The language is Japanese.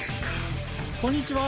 こんにちは。